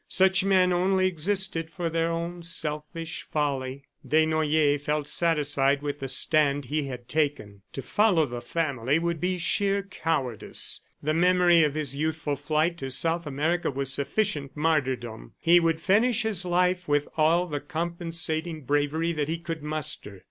Such men only existed for their own selfish folly. Desnoyers felt satisfied with the stand he had taken. To follow the family would be sheer cowardice. The memory of his youthful flight to South America was sufficient martyrdom; he would finish his life with all the compensating bravery that he could muster.